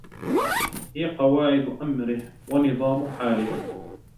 هِيَ قَوَاعِدُ أَمْرِهِ وَنِظَامُ حَالِهِ